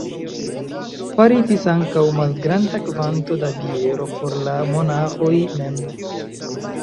Faritis ankaŭ malgranda kvanto da biero por la monaĥoj mem.